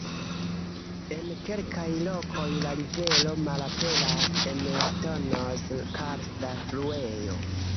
En kelkaj lokoj la rivero "malaperas" en la ŝtonoz-karsta fluejo.